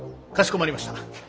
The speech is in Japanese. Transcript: かしこまりました。